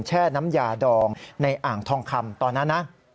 แช่น้ำยาดองในอ่างทองคำตอนนั้นนะ